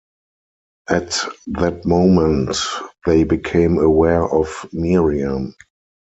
At that moment they became aware of Miriam.